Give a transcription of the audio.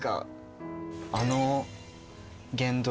あの言動